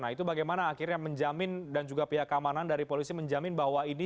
nah itu bagaimana akhirnya menjamin dan juga pihak keamanan dari polisi menjamin bahwa ini